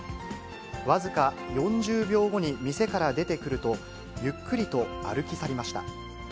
僅か４０秒後に店から出てくると、ゆっくりと歩き去りました。